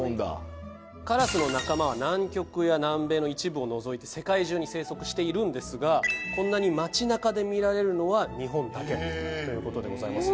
カラスの仲間は南極や南米の一部を除いて世界中に生息しているんですがこんなに街なかで見られるのは日本だけという事でございますね。